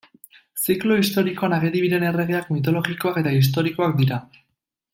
Ziklo Historikoan ageri diren erregeak mitologikoak eta historikoak dira.